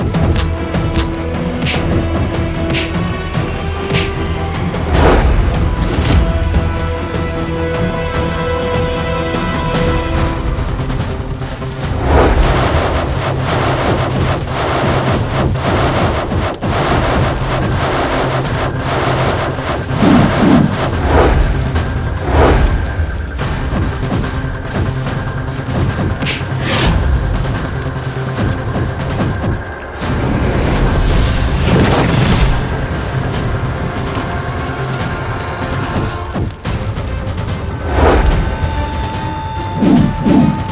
kau tidak akan sanggap